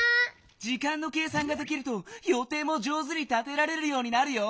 時間の計算ができるとよていも上手に立てられるようになるよ。